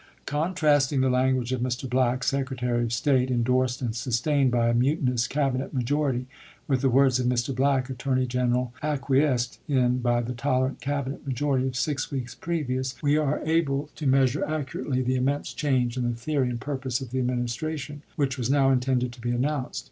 Contrasting the language of Mr. Black, Secretary of State, indorsed and sustained by a mutinous Cabinet majority, with the words of Mr. Black, Attorney General, acquiesced in by the tolerant Cabinet majority of six weeks previous, we are able Vol. III.— 6 pp. 14 17. ABKAHAM LINCOLN to measure accurately the immense change in the theory and purpose of the Administration, which was now intended to be announced.